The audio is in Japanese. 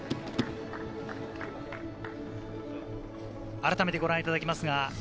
改めてご覧いただきます。